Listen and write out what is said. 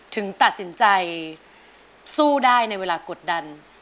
ถึงตัดสินใจสู้ได้ในเวลากดดัน